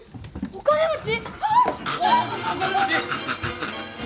お金持ち。